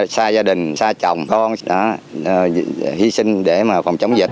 xa gia đình xa chồng con đã hy sinh để mà phòng chống dịch